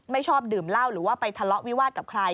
ชอบดื่มเหล้าหรือว่าไปทะเลาะวิวาสกับใคร